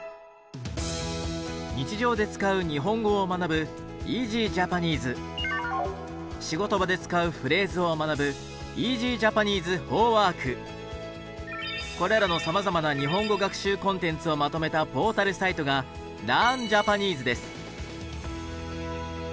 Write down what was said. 日常で使う日本語を学ぶ仕事場で使うフレーズを学ぶこれらのさまざまな日本語学習コンテンツをまとめたポータルサイトが「ＬｅａｒｎＪａｐａｎｅｓｅ」です。